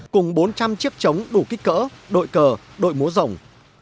cùng bốn trăm linh chiếc chống đủ kích cỡ đội cờ đội múa rồng